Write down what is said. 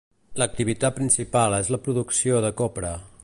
L'activitat principal és la producció de copra.